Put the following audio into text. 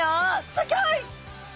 すギョい！